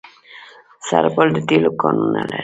سرپل د تیلو کانونه لري